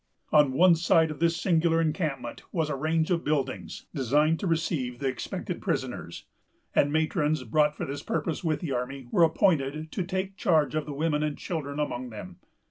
On one side of this singular encampment was a range of buildings, designed to receive the expected prisoners; and matrons, brought for this purpose with the army, were appointed to take charge of the women and children among them.